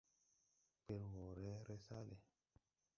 Pir wɔɔre ree saale.